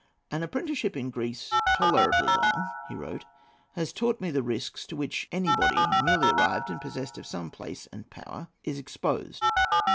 "An apprenticeship in Greece tolerably long," he wrote, "has taught me the risks to which anybody newly arrived, and possessed of some place and power, is exposed.